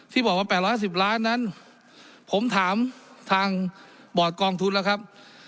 ที่บอกว่า๘๕๐ล้านนั้นผมถามทางบอร์ดกองทุนแล้วครับ